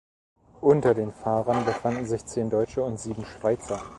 Unter den Fahrern befanden sich zehn Deutsche und sieben Schweizer.